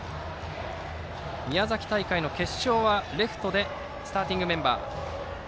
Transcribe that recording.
宮崎大会の決勝はレフトでスターティングメンバー。